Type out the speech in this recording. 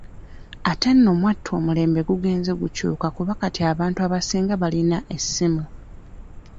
Ate nno mwattu omulembe gugenze gukyuka kuba kati abantu abasinga balina essimu.